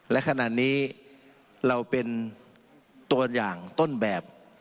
และขณะนี้เราเป็นตัวอย่างต้นแบบ